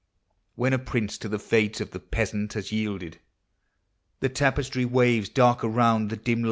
When a prince to the fate oi the peasant has yielded, The 'tapestry waves dark round the dm.